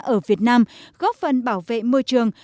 ở việt nam góp phần bảo vệ môi trường